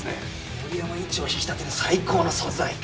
森山院長を引き立てる最高の素材か。